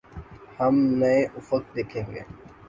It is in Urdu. ہم نئے افق دیکھیں گے۔